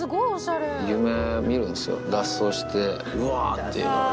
夢見るんですよ、脱走してうわーって。